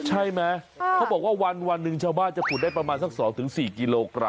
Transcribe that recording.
ใช่ไหมเขาบอกว่าวันหนึ่งชาวบ้านจะขุดได้ประมาณสัก๒๔กิโลกรัม